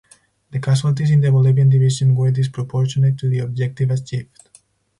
The casualties in the Bolivian division were disproportionate to the objective achieved.